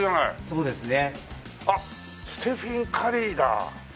そうですね。